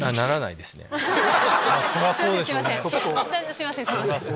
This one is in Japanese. すいませんすいません。